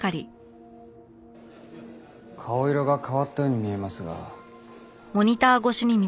顔色が変わったように見えますが。